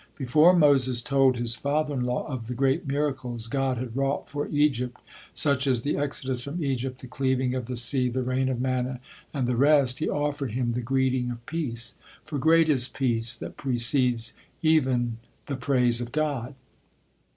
Before Moses told his father in law of the great miracles God had wrought for Egypt, such as the exodus from Egypt, the cleaving of the sea, the rain of manna, and the rest, he offered him the greeting of peace; for great is peace, that precedes event he praise of God.